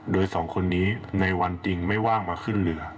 โดยสองคนนี้ในวันจริงไม่ว่างมาขึ้นเรือ